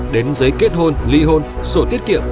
đến giấy kết hôn ly hôn sổ tiết kiệm